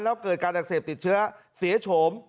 แล้วเกิดการอักเสบติดเชื้อเสียโฉม